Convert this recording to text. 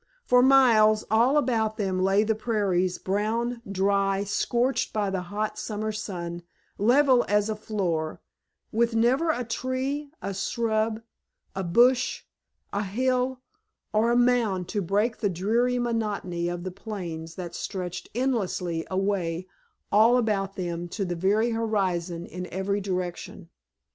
For miles all about them lay the prairies, brown, dry, scorched by the hot summer sun, level as a floor, with never a tree, a shrub, a bush, a hill, or a mound to break the dreary monotony of the plains that stretched endlessly away all about them to the very horizon in every direction.